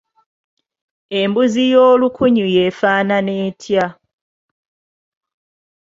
Embuzi ey’olukunyu y'efaanana etya?